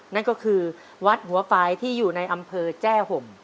นั่นก็คือวัดหัวฟ้ายที่อยู่ในอำเภอแจ้ห่ม